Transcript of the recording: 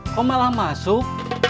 kok malah masuk